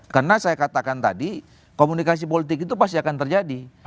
karena saya katakan tadi komunikasi politik itu pasti akan terjadi